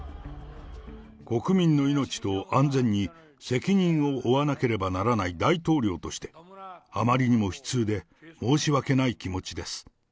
国民の命と安全に、責任を負わなければならない大統領として、あまりにも悲痛で申し訳ない気持ちです。